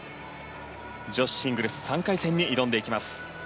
女子シングルス３回戦に挑んでいきます。